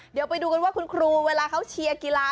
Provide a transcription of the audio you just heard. เดี๋ยวไปดูกันว่าคุณครูเวลาเขาเชียร์กีฬา